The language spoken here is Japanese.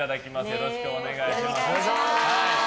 よろしくお願いします。